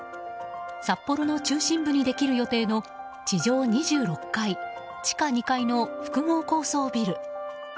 札幌の中心部にできる予定の地上２６階、地下２階の複合高層ビル。